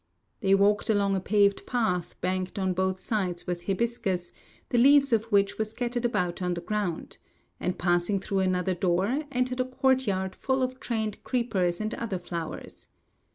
They walked along a paved path banked on both sides with hibiscus, the leaves of which were scattered about on the ground; and passing through another door, entered a court yard full of trained creepers and other flowers.